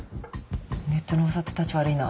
ネットのうわさってたち悪いな。